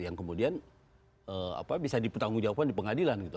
yang kemudian bisa dipertanggungjawabkan di pengadilan gitu